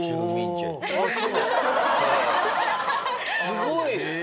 すごい！